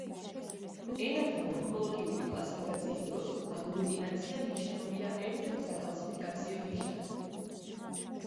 ენათა მორფოლოგიური კლასიფიკაციის დროს აგლუტინაცია მიჩნეულია ერთ-ერთ საკლასიფიკაციო ნიშნად.